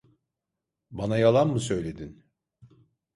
Bana yalan mı söyledin?